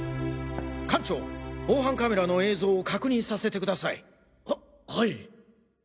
館長防犯カメラの映像を確認させてください！ははい。